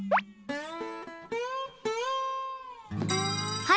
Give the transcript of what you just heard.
うん。